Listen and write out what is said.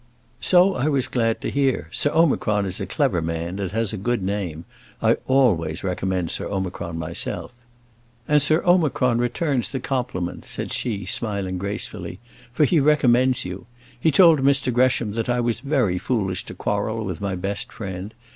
"So I was glad to hear. Sir Omicron is a clever man, and has a good name. I always recommend Sir Omicron myself." "And Sir Omicron returns the compliment," said she, smiling gracefully, "for he recommends you. He told Mr Gresham that I was very foolish to quarrel with my best friend.